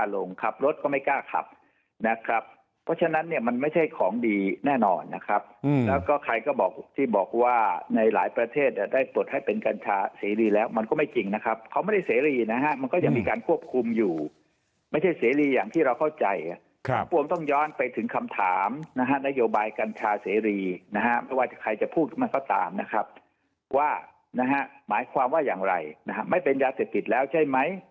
แล้วก็ใครก็บอกที่บอกว่าในหลายประเทศได้ตรวจให้เป็นกัญชาเสรีแล้วมันก็ไม่จริงนะครับเขาไม่ได้เสรีนะฮะมันก็ยังมีการควบคุมอยู่ไม่ใช่เสรีอย่างที่เราเข้าใจครับความต้องย้อนไปถึงคำถามนะฮะนโยบายกัญชาเสรีนะฮะว่าใครจะพูดมันก็ตามนะครับว่านะฮะหมายความว่าอย่างไรนะฮะไม่เป็นยาเสพติดแล้วใช่ไหมปล